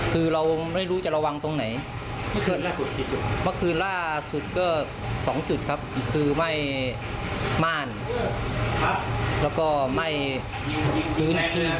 ตรงนั้นขึ้นมาก็ได้ครับ